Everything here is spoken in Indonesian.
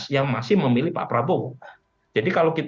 yang masih memilih pak prabowo